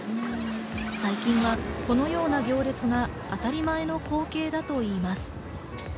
最近は、このような行列が当たり前の光景だといいます。